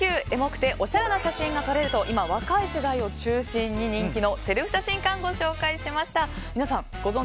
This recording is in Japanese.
エモくておしゃれな写真が撮れると今若い世代を中心に人気のセルフ写真館、ご紹介しました。